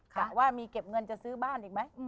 กะว่ามีเก็บเงินจะซื้อบ้านอีกไหม